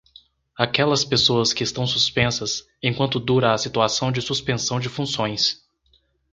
Aquelas pessoas que estão suspensas, enquanto dura a situação de suspensão de funções.